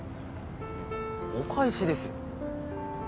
お返しですよ。